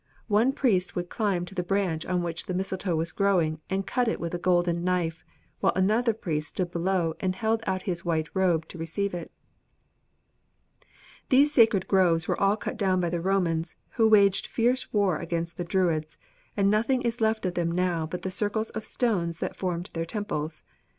One priest would climb to the branch on which the misletoe was growing and cut it with a golden knife, while another priest stood below and held out his white robe to receive it. "These sacred groves were all cut down by the Romans, who waged fierce war against the Druids, and nothing is left of them now but the circles of stones that formed their temples.